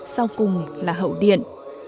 sau cùng là hậu điện